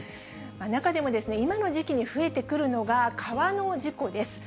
中でも今の時期に増えてくるのが川の事故です。